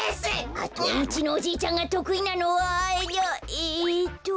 あとうちのおじいちゃんがとくいなのはえっと。